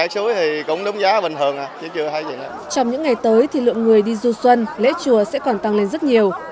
trong những ngày tới thì lượng người đi du xuân lễ chùa sẽ còn tăng lên rất nhiều